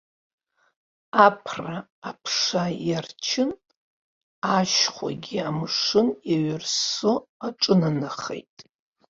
Аԥра аԥша иарчын, ашхәагьы амшын еиҩырссо аҿынанахеит.